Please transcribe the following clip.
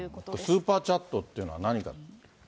スーパーチャットっていうのは何か。